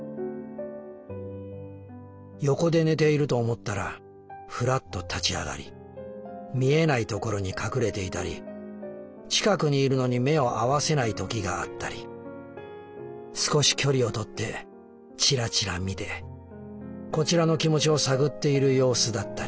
横で寝ていると思ったらふらっと立ち上がり見えないところに隠れていたり近くにいるのに目を合わせない時があったり少し距離を取ってチラチラ見てこちらの気持ちを探っている様子だったり。